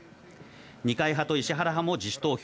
二階派と石原派も自主投票。